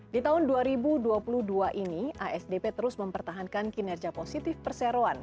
di tahun dua ribu dua puluh dua ini asdp terus mempertahankan kinerja positif perseroan